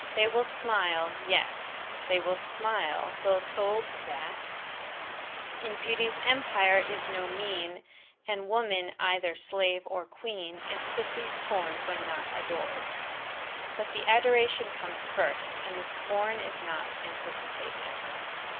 They will smile, yes, they will smile, though told that "In beauty's empire is no mean, And woman either slave or queen, Is quickly scorn'd when not ador'd." But the adoration comes first, and the scorn is not anticipated.